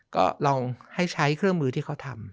ก็ลองให้ใช้เครื่องมือที่เขาทำ